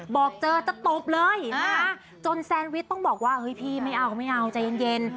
บอกเจอจะตบเลยจนแซนวิทต้องบอกว่าพี่ไม่เอาใจเย็น